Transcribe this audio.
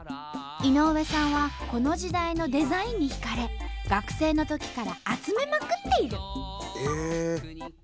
井上さんはこの時代のデザインにひかれ学生のときから集めまくっている。